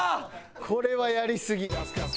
これはやりすぎ。